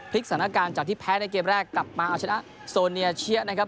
สถานการณ์จากที่แพ้ในเกมแรกกลับมาเอาชนะโซเนียเชียนะครับ